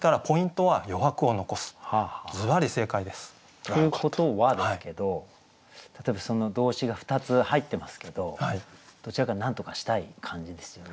ということはですけど例えば動詞が２つ入ってますけどどちらかなんとかしたい感じですよね。